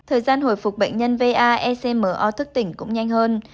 thời gian hồi phục bệnh nhân va ecmo thức tỉnh cũng nhanh hơn